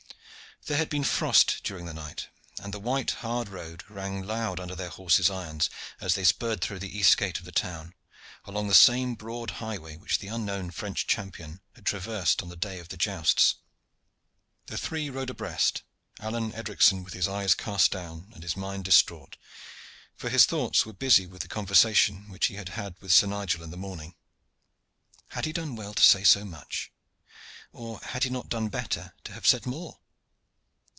There had been frost during the night, and the white hard road rang loud under their horses' irons as they spurred through the east gate of the town, along the same broad highway which the unknown French champion had traversed on the day of the jousts. The three rode abreast, Alleyne Edricson with his eyes cast down and his mind distrait, for his thoughts were busy with the conversation which he had had with Sir Nigel in the morning. Had he done well to say so much, or had he not done better to have said more?